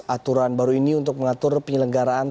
aturan baru ini untuk mengatur penyelenggaraan